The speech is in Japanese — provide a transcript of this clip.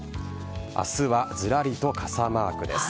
明日はずらりと傘マークです。